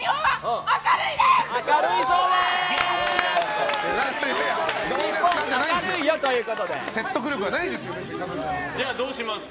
明るいそうです！